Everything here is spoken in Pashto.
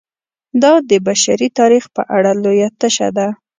دا د بشري تاریخ په اړه لویه تشه ده.